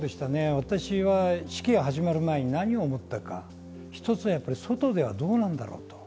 私は式が始まる前に何を思ったか、一つはやっぱり外ではどうなんだろうと。